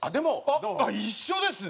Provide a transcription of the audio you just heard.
一緒ですね。